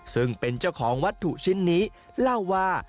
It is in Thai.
ซึ่งเป็นเจ้าของวัตถุชิ้นนี้เล่าว่า